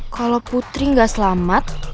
kalau putri gak selamat